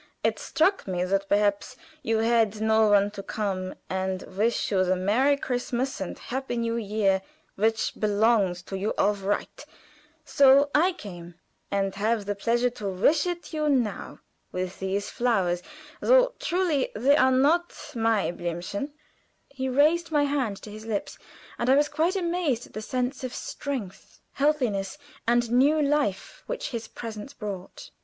It struck me that perhaps you had no one to come and wish you the Merry Christmas and Happy New year which belongs to you of right, so I came, and have the pleasure to wish it you now, with these flowers, though truly they are not Maiblümchen." He raised my hand to his lips, and I was quite amazed at the sense of strength, healthiness, and new life which his presence brought.